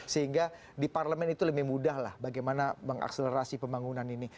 sehingga di parlemen itu lebih mudah lah bagaimana mengakselerasi pembangunan ini